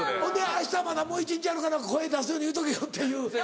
あしたまだもう一日あるから声出すように言うとけよっていう。